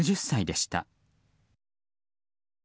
６０歳でした。